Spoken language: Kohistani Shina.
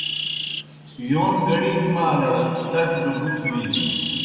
یون گڑیلیْ مالَڑ کڇ گہ بُتھوْ وِینَن۔